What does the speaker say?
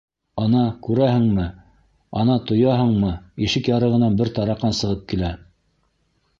Ана, күрәһеңме, ана, тояһыңмы, ишек ярығынан бер тараҡан сығып килә.